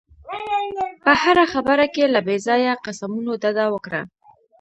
په هره خبره کې له بې ځایه قسمونو ډډه وکړه.